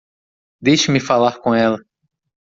Deixe-me falar com ela.